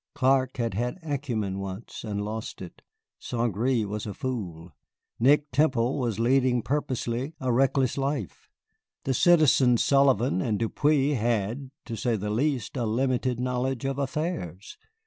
Clark had had acumen once, and lost it; St. Gré was a fool; Nick Temple was leading purposely a reckless life; the Citizens Sullivan and Depeau had, to say the least, a limited knowledge of affairs.